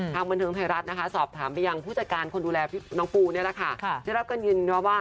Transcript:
ทางบนธรรมไทยรัฐสอบถามไปยังผู้จัดการคนดูแลน้องปูนี่แหละค่ะ